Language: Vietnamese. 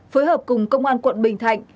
phối hợp cùng công an quận bình thạnh